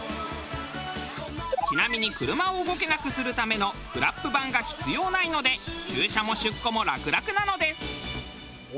ちなみに車を動けなくするためのフラップ板が必要ないので駐車も出庫も楽々なのです。